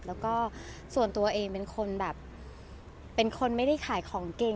แล้วก็ส่วนตัวเองเป็นคนแบบเป็นคนไม่ได้ขายของเก่ง